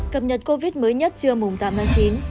cập nhật covid mới nhất trưa tám tháng chín